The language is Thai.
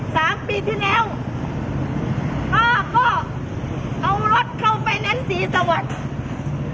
แต่๓ปีที่แล้วป้าก็เอารถเข้าไปแนนสีสวัสดิ์